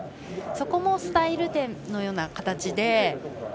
そこもスタイル点のような形で。